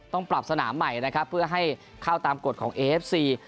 ต้องปรับสนามใหม่นะครับเพื่อให้เข้าตามกฎของเอฟซี